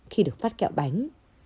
khi được phát kẹo bánh